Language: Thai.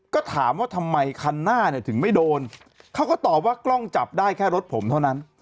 ก็ถามว่าทำไมคันหน้าเนี่ยถึงไม่โดนเขาก็ตอบว่ากล้องจับได้แค่รถผมเท่านั้น